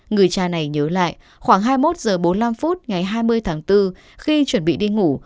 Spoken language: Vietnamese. người cha này nhớ lại khoảng hai mươi một h bốn mươi năm phút ngày hai mươi tháng bốn khi chuẩn bị đi ngủ